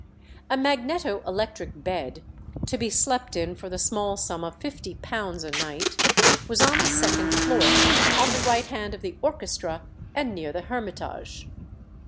A magneto electric bed, to be slept in for the small sum of £50 a night, was on the second floor, on the right hand of the orchestra, and near the hermitage.